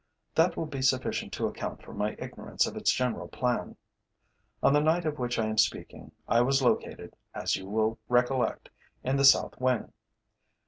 That will be sufficient to account for my ignorance of its general plan. On the night of which I am speaking, I was located, as you will recollect, in the South Wing.